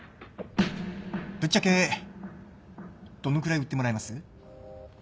ぶっちゃけどのぐらい売ってもらえます？